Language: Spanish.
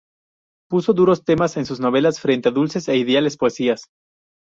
Puso duros temas en sus novelas frente a dulces e ideales poesías.